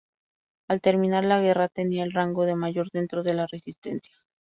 Al terminar la guerra tenía el rango de mayor dentro de la Resistencia.